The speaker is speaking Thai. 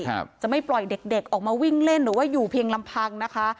ครับจะไม่ปล่อยเด็กเด็กออกมาวิ่งเล่นหรือว่าอยู่เพียงลำพังนะคะ